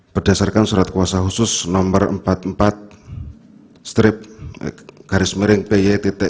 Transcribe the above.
berdasarkan surat kuasa khusus nomor empat puluh empat strip garis miring py tujuh